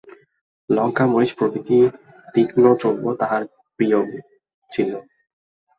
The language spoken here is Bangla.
লঙ্কা, মরিচ প্রভৃতি তীক্ষ্ণ দ্রব্য তাঁহার বড় প্রিয় ছিল।